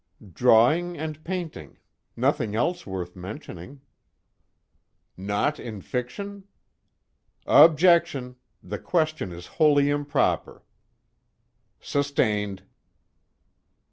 "Drawing and painting. Nothing else worth mentioning." "Not in fiction?" "Objection! The question is wholly improper." "Sustained."